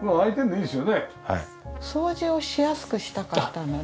掃除をしやすくしたかったので。